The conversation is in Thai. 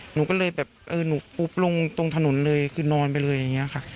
หนูก็เลยแบบเออหนูปุ๊บลงตรงถนนเลยคือนอนไปเลยอย่างนี้ค่ะ